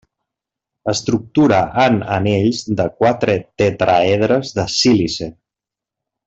Estructura en anells de quatre tetràedres de sílice.